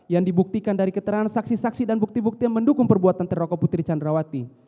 yang dibuktikan dari keterangan saksi saksi dan bukti bukti yang mendukung perbuatan terokok putri candrawati